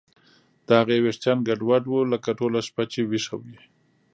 د هغې ویښتان ګډوډ وو لکه ټوله شپه چې ویښه وي